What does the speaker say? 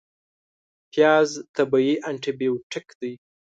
پیاز طبیعي انتي بیوټیک دی